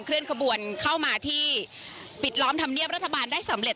เลื่อนขบวนเข้ามาที่ปิดล้อมธรรมเนียบรัฐบาลได้สำเร็จ